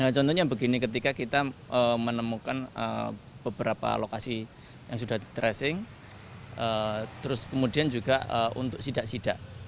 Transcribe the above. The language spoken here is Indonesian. contohnya begini ketika kita menemukan beberapa lokasi yang sudah di tracing terus kemudian juga untuk sidak sidak